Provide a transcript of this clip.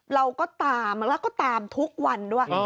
เราก็ตามแล้วก็ตามทุกวันด้วย